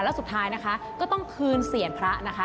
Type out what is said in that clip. แล้วสุดท้ายนะคะก็ต้องคืนเสียงพระนะคะ